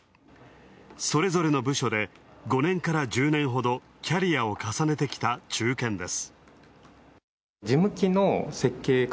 それぞれの部署で５年から１０年ほどキャリアを重ねてきた中堅です。